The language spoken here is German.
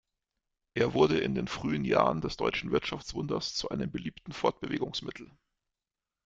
Er wurde in den frühen Jahren des deutschen Wirtschaftswunders zu einem beliebten Fortbewegungsmittel.